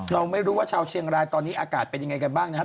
เราไม่รู้ว่าชาวเชียงรายตอนนี้อากาศเป็นยังไงกันบ้างนะครับ